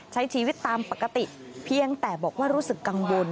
ใช้ชีวิตตามปกติเพียงแต่บอกว่ารู้สึกกังวล